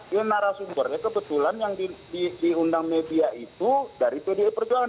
ini narasumbernya kebetulan yang diundang media itu dari pdi perjuangan